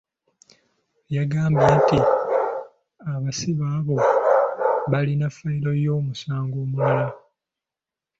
Yagambye nti abasibe abo balina ffayiro y’omusango omulala.